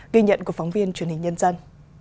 ghi nhận của phóng viên truyền hình nhân dân